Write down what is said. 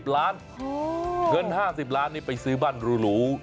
๕๐ล้านเงิน๕๐ล้านไปซื้อบ้านหรู